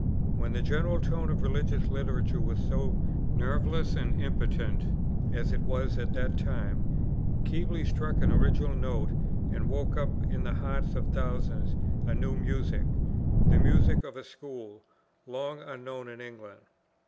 When the general tone of religious literature was so nerveless and impotent, as it was at that time, Keble struck an original note and woke up in the hearts of thousands a new music, the music of a school, long unknown in England.